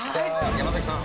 山崎さん。